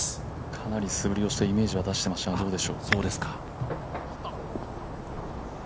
かなり素振りをしてイメージを出していましたが、どうでしょう？